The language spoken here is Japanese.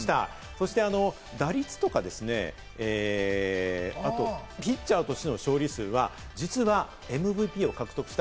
そして打率、ピッチャーとしての勝利数が実はＭＶＰを獲得した